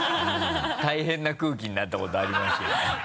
大変な空気になったことありますけどね。